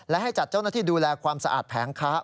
และให้จัดเจ้าหน้าที่ดูแลความสะอาดแผงค้า